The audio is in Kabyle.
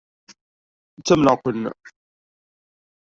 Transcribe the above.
Ttamneɣ-ken.